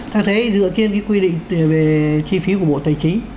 thật thế dựa trên cái quy định về chi phí của bộ tài chính